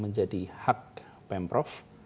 menjadi hak pemprov